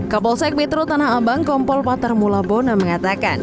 kapolsek metro tanah abang kompol patarmula bona mengatakan